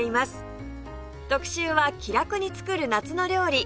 特集は「気楽につくる夏の料理」